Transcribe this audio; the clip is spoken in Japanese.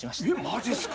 マジっすか？